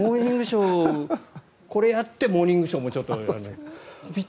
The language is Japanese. これやって「モーニングショー」も。